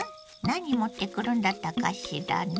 何持ってくるんだったかしらね？